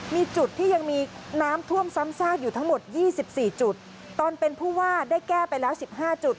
มีจุดที่ยังมีน้ำท่วมซ้ำซากอยู่ทั้งหมดยี่สิบสี่จุดตอนเป็นผู้ว่าได้แก้ไปแล้วสิบห้าจุด